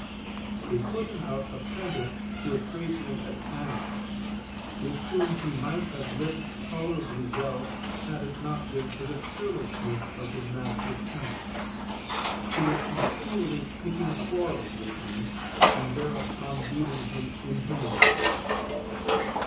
They put him out apprentice to a tradesman at Alnwick, with whom he might have lived tolerably well had it not been for the churlishness of his master's temper, who was continually picking quarrels with him, and thereupon beating him inhumanly.